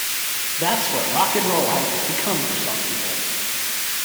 That's what rock and roll has become for some people.